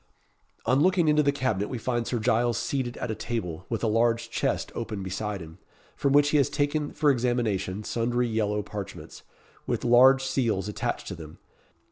On looking into the cabinet we find Sir Giles seated at a table, with a large chest open beside him, from which he has taken for examination sundry yellow parchments, with large seals attached to them.